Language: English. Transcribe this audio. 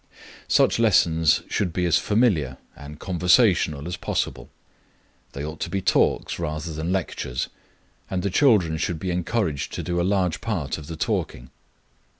Such lessons should be as familiar and conversational as possible. They ought to be talks rather than lectures; and the children should be encouraged to do a large part of the talking.